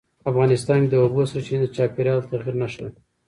افغانستان کې د اوبو سرچینې د چاپېریال د تغیر نښه ده.